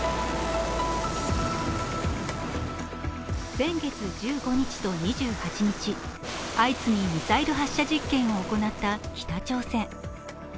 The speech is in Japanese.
先月１５日と２８日、相次ぎミサイル発射実験を行った北朝鮮。